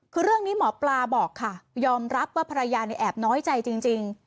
คือเรื่องนี้หมอปลาบอกค่ะยอมรับว่าภรรยาเนี่ยแอบน้อยใจจริง